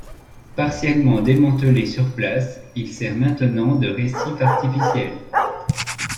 Partiellement démantelé sur place, il sert maintenant de récif artificiel.